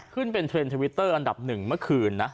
ขึ้นเป็นเทรนด์ทวิตเตอร์อันดับหนึ่งเมื่อคืนนะ